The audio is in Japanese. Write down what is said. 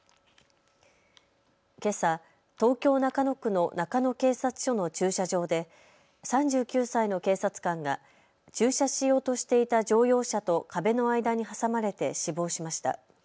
けさ、東京中野区の中野警察署の駐車場で３９歳の警察官が駐車しようとしていた乗用車と壁の間に挟まれて死亡しました。